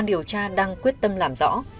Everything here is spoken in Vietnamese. điều tra đang quyết tâm làm rõ